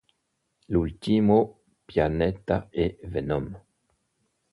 L'ultimo pianeta è Venom.